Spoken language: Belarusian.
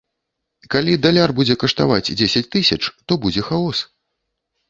Калі даляр будзе каштаваць дзесяць тысяч, то будзе хаос.